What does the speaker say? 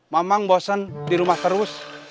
mamang bosen di rumah terus